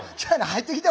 入ってきて。